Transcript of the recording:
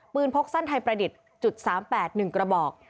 ปืนพกสั้นไทยประดิษฐ์จุด๓๘หนึ่งกระบอก